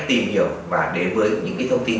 tìm hiểu và đến với những cái thông tin